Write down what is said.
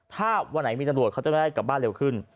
ถ้าวันไหนมีตำรวจเขาจะได้กลับบ้านเร็วขึ้น